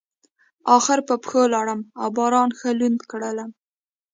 اخر په پښو لاړم او باران ښه لوند کړلم.